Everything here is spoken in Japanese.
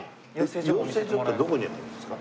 養成所ってどこにあるんですか？